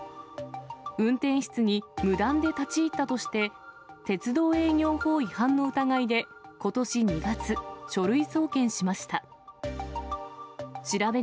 運転室に無断で立ち入ったとして、鉄道営業法違反の疑いでことし２月、書類送検しました。